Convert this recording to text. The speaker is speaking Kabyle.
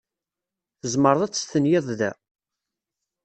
Tzemreḍ ad testenyiḍ da?